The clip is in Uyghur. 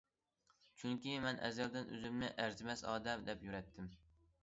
چۈنكى مەن ئەزەلدىن ئۆزۈمنى ئەرزىمەس ئادەم دەپ يۈرەتتىم.